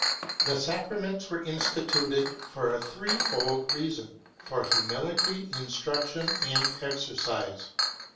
The sacraments were instituted for a three fold reason: for humility, instruction, and exercise.